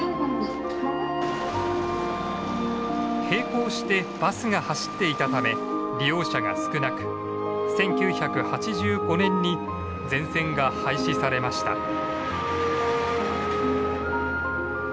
並行してバスが走っていたため利用者が少なく１９８５年に全線が廃止されました。